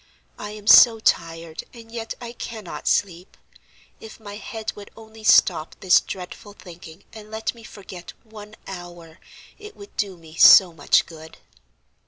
I am so tired, and yet I cannot sleep. If my head would only stop this dreadful thinking and let me forget one hour it would do me so much good."